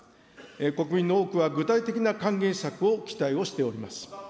国民の多くは具体的な還元策を期待をしております。